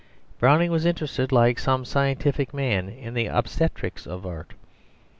Browning was interested, like some scientific man, in the obstetrics of art.